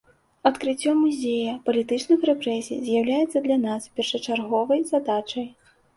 Адкрыццё музея палітычных рэпрэсій з'яўляецца для нас першачарговай задачай.